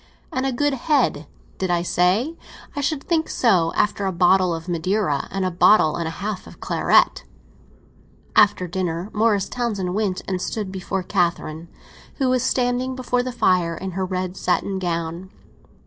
And a good head, did I say? I should think so—after a bottle of Madeira and a bottle and a half of claret!" After dinner Morris Townsend went and stood before Catherine, who was standing before the fire in her red satin gown.